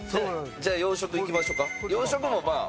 じゃあ洋食いきましょうか。